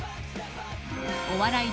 お笑い